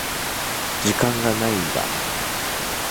時間がないんだ。